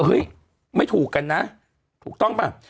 เฮ้ยไม่ถูกกันนะถูกต้องป่ะ